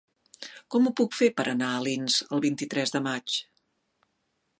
Com ho puc fer per anar a Alins el vint-i-tres de maig?